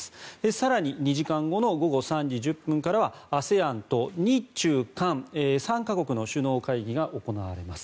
更に２時間後の午後３時１０分からはＡＳＥＡＮと日中韓３か国の首脳会議が行われます。